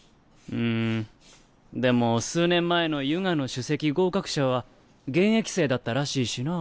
んんでも数年前の油画の首席合格者は現役生だったらしいしな。